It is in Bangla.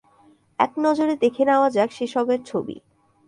একনজরে দেখে নেওয়া যাক সেসবের ছবি।